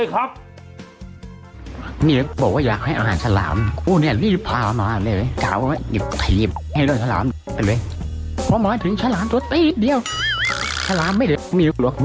ไปให้อาหารฉลามใช่ไหม